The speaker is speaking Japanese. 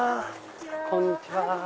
こんにちは。